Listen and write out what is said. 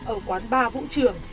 ở quán bà vũ trường